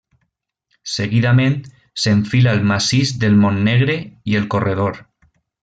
Seguidament, s'enfila al massís del Montnegre i el Corredor.